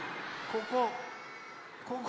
ここ。